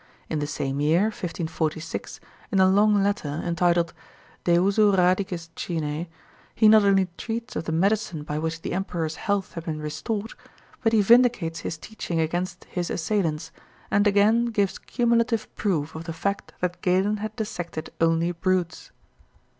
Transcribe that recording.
In the same year, 1546, in a long letter, entitled "De usu Radicis Chinæ," he not only treats of the medicine by which the emperor's health had been restored, but he vindicates his teaching against his assailants, and again gives cumulative proof of the fact that Galen had dissected only brutes.